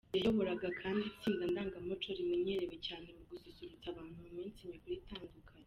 Yayoboraga kandi itsinda ndangamuco rimenyerewe cyane mu gususurutsa abantu mu minsi mikuru itandukanye.